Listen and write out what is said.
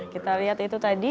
kita lihat itu tadi